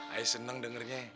ayo seneng dengernya